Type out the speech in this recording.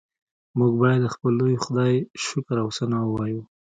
موږ باید د خپل لوی خدای شکر او ثنا ووایو